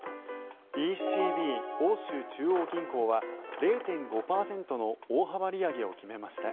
ＥＣＢ・欧州中央銀行は０．５％の大幅利上げを決めました。